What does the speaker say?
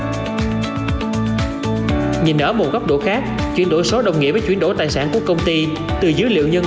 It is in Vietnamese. nhìn ở một góc độ khác chuyển đổi số đồng nghĩa với chuyển đổi tài sản của công ty từ dữ liệu nhân